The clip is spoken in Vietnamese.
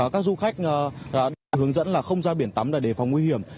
các du khách đã được hướng dẫn là không ra biển tắm là đề phòng nguy hiểm